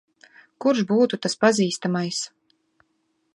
Kurš būtu tas pazīstamais?